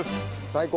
最高。